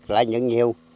là nhận nhiều